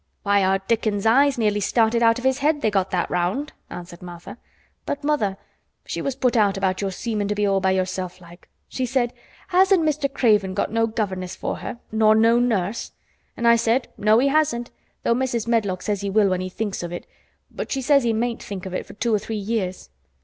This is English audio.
"Why, our Dickon's eyes nearly started out o' his head, they got that round," answered Martha. "But mother, she was put out about your seemin' to be all by yourself like. She said, 'Hasn't Mr. Craven got no governess for her, nor no nurse?' and I said, 'No, he hasn't, though Mrs. Medlock says he will when he thinks of it, but she says he mayn't think of it for two or three years.